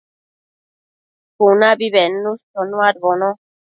cunabi bednush chonuadbono